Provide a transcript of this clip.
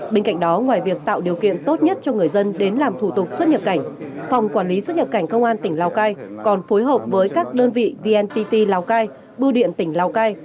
bên cạnh đó ngoài việc tạo điều kiện tốt nhất cho người dân đến làm thủ tục xuất nhập cảnh phòng quản lý xuất nhập cảnh công an tỉnh lào cai còn phối hợp với các đơn vị vnpt lào cai bưu điện tỉnh lào cai